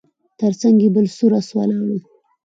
تر څنګ یې بل سور آس ولاړ و